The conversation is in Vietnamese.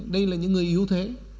đây là những người yếu thế